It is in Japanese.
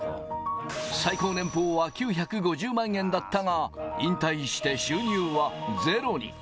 最高年俸は９５０万円だったが、引退して収入はゼロに。